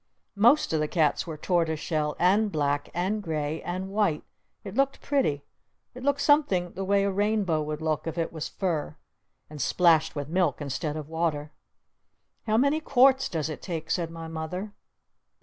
Most of the cats were tortoise shell and black and gray and white! It looked pretty! It looked something the way a rainbow would look if it was fur! And splashed with milk instead of water! "How many quarts does it take?" said my Mother.